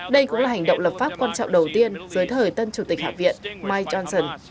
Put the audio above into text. đây cũng là hành động lập pháp quan trọng đầu tiên dưới thời tân chủ tịch hạ viện mike johnson